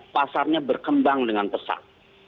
pasarnya berkembang dengan pesat